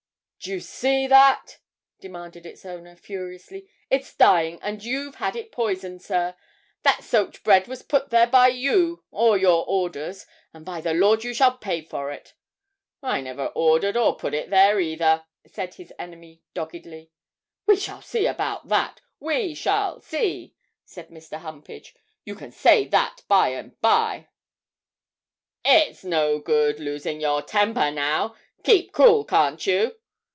'Do you see that?' demanded its owner, furiously; 'it's dying, and you've had it poisoned, sir; that soaked bread was put there by you or your orders and, by the Lord, you shall pay for it!' 'I never ordered or put it there either,' said his enemy doggedly. 'We shall see about that we shall see,' said Mr. Humpage; 'you can say that by and by.' 'It's no good losing your temper, now keep cool, can't you?'